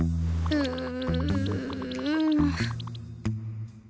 うん。